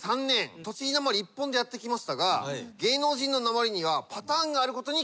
栃木なまり一本でやってきましたが芸能人のなまりにはパターンがあることに気付きました。